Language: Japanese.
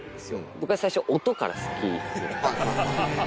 僕は最初、音から好きになった。